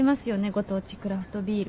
ご当地クラフトビール。